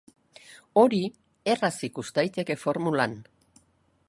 Hori erraz ikus daiteke formulan.